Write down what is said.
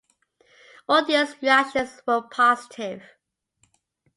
Audience reactions were positive.